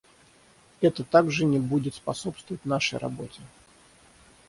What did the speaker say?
Это также не будет способствовать нашей работе.